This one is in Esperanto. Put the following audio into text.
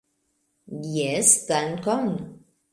Jes dankon!